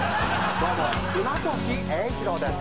どうも船越英一郎です。